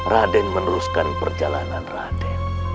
rade meneruskan perjalanan rade